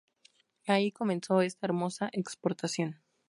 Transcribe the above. Ahí comenzó esta hermosa exportación.